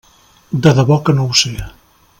De debò que no ho sé.